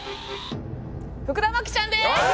福田麻貴ちゃんです。